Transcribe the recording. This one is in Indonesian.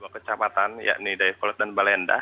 dua kecamatan yakni dayakolot dan balendah